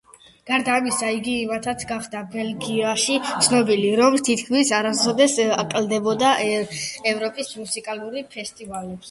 გარდა ამისა, იგი იმითაც გახდა ბელგიაში ცნობილი, რომ თითქმის არასოდეს აკლდებოდა ევროპის მუსიკალურ ფესტივალებს.